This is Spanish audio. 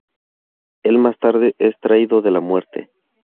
Él más tarde es traído de la muerte.